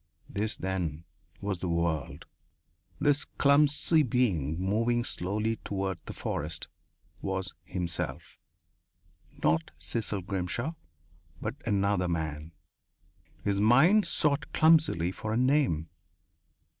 This, then, was the world. This clumsy being, moving slowly toward the forest, was himself not Cecil Grimshaw but another man. His mind sought clumsily for a name.